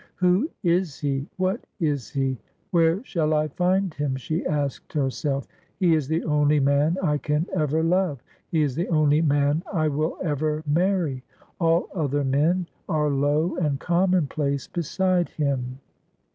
' Who is he, what is he ? where shall I find him ?' she asked herself. ' He is the only man I can ever love. He is the only man I will ever marry. All other men are low and commonplace beside him.'